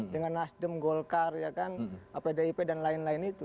dengan nasdem golkar pdip dan lain lain itu